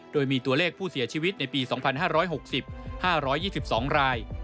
โดยมีตัวเลขผู้เสียชีวิตในปี๒๕๖๐๕๒๒ราย